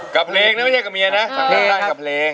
กับเพลงแล้วไม่ใช่กับเมียนะ